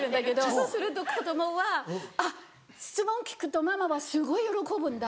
そうすると子供は「あっ質問聞くとママはすごい喜ぶんだ。